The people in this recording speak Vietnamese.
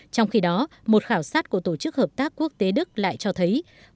trong khi đó một khảo sát của tổ chức hợp tác quốc tế đức lại cho thấy